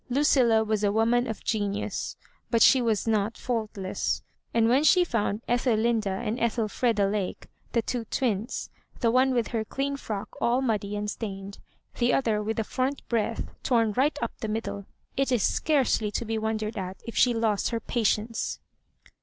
Lucilla was a woman of genius, but she was not faultless ; and when she found Ethelinda and Ethelfreda Lake, the two twins, the one with her clean frock all muddy and stained, the other with the front breadth torn right up the middle, it is scarcely to be wondered at if she lost her pa tience.